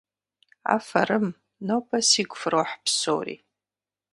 Афэрым! Нобэ сигу фрохь псори!